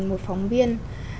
một phóng viên